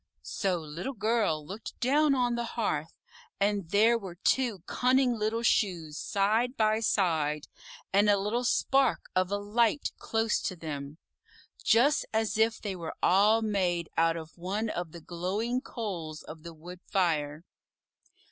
So Little Girl looked down on the hearth, and there were two cunning little Shoes side by side, and a little Spark of a Light close to them just as if they were all made out of one of the glowing coals of the wood fire.